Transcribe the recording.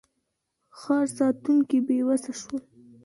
ښار ساتونکي بېوسه شول.